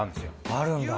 あるんだ。